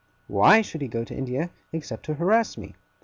Why should he go to India, except to harass me?